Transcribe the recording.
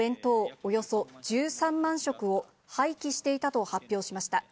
およそ１３万食を、廃棄していたと発表しました。